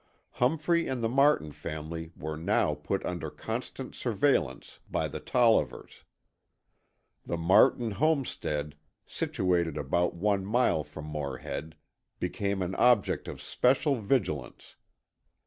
Humphrey and the Martin family were now put under constant surveillance by the Tollivers. The Martin homestead, situated about one mile from Morehead, became an object of special vigilance.